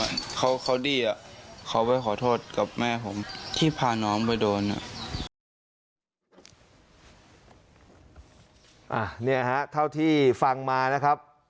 เนี่ยฮะเท่าที่ฟังมานะครับ